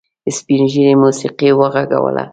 سپین ږيري موسيقي وغږوله.